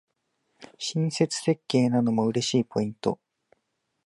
親切設計なのも嬉しいポイント